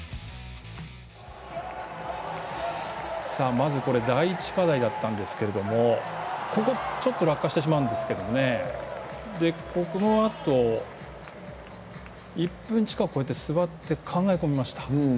まず、第１課題だったんですけどここ、ちょっと落下してしまうんですけどもこのあと、１分近く座って考え込みました。